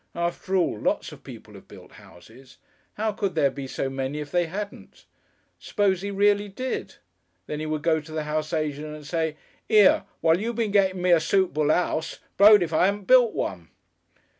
After all, lots of people have built houses. How could there be so many if they hadn't? Suppose he "reely" did! Then he would go to the house agent and say, "'Ere, while you been getting me a sootable 'ouse, blowed if I 'aven't built one!"